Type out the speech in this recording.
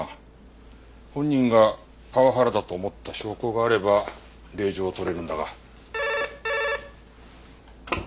本人がパワハラだと思った証拠があれば令状を取れるんだが。